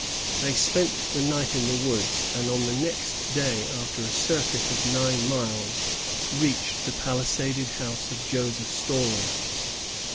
They spent the night in the woods, and on the next day, after a circuit of nine miles, reached the palisaded house of Joseph Storer.